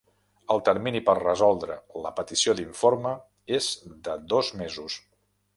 El termini per resoldre la petició d'informe és de dos mesos.